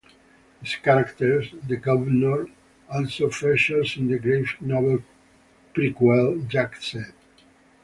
His character, "The Guv'nor", also features in the graphic novel prequel "Jack Said".